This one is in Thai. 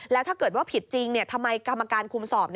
แล้วถ้าเกิดว่าผิดจริงทำไมกรรมการคุมสอบ